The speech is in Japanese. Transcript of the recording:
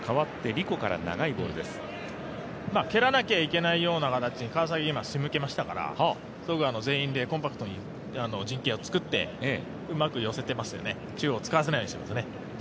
蹴らなきゃいけないような形に川崎が今、仕向けましたから全員でコンパクトに陣形を作ってうまく寄せてますよね、中央を使わせないようにしてます。